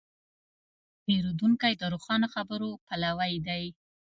پیرودونکی د روښانه خبرو پلوی دی.